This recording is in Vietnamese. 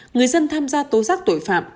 người dân tham gia tố giác tội phạm